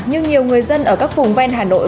nhưng nhiều người dân ở các vùng ven hà nội